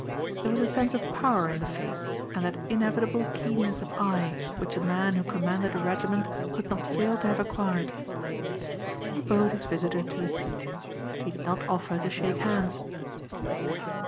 There was a sense of power in the face and that inevitable keenness of eye which a man who commanded a regiment could not fail to have acquired. He bowed his visitor to a seat. He did not offer to shake hands.